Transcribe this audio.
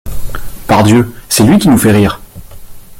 Pardieu, c’est lui Qui nous fait rire!